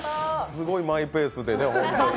すごいマイペースでね、本当に。